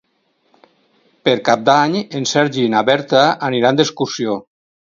Per Cap d'Any en Sergi i na Berta aniran d'excursió.